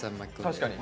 確かに。